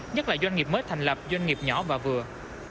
nhất là doanh nghiệp mới thành lập doanh nghiệp nhỏ và vừa